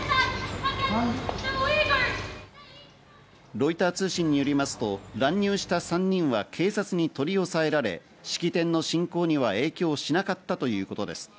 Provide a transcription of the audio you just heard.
ロイター通信によりますと乱入した３人は警察に取り押さえられ、式典の進行には影響しなかったということです。